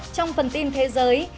trong phần tin thế giới